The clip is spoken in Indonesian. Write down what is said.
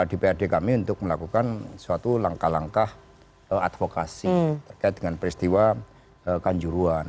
dan prd kami untuk melakukan suatu langkah langkah advokasi terkait dengan peristiwa tanjuruhan